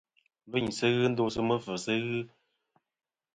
Lvɨyn sɨ ghɨ ndosɨ mɨ̂fvɨsɨ ghɨ.